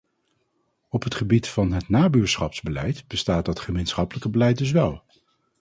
Op het gebied van het nabuurschapsbeleid bestaat dat gemeenschappelijke beleid dus wel.